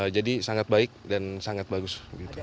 jadi sangat baik dan sangat bagus